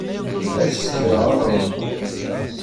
Ad sekreɣ aɣṛum.